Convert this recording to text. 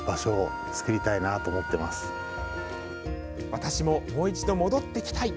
私ももう一度戻ってきたい。